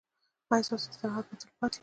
ایا ستاسو استراحت به تلپاتې وي؟